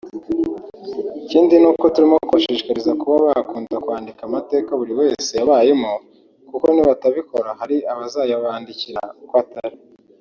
Ikindi ni uko turimo kubashishikariza kuba bakunda kwandika amateka buri wese yabayemo kuko nibatabikora hari abazayabandikira uko atari